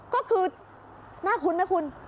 ก็คือน่าคุ้นไหมคุณ